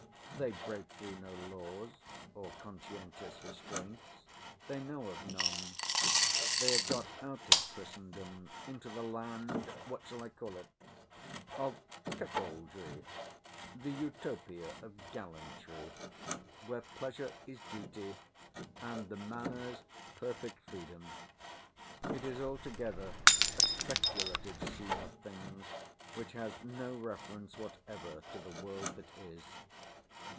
They break through no laws, or conscientious restraints. They know of none. They have got out of Christendom into the land—what shall I call it?—of cuckoldry—the Utopia of gallantry, where pleasure is duty, and the manners perfect freedom. It is altogether a speculative scene of things, which has no reference whatever to the world that is.